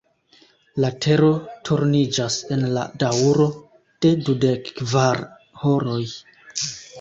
La Tero turniĝas en la daŭro de dudekkvar horoj.